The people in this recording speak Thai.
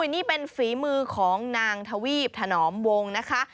นี่เป็นฝีมือของนางทวีปถนอมวงนะคะ